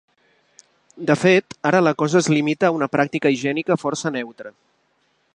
De fet, ara la cosa es limita a una pràctica higiènica força neutra.